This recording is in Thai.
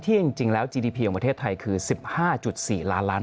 สิ่งที่ประชาชนอยากจะฟัง